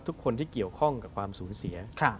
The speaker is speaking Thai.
ทุกคนที่เกี่ยวข้องกับความสูญเสีย